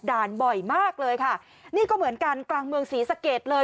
บ่อยมากเลยค่ะนี่ก็เหมือนกันกลางเมืองศรีสะเกดเลย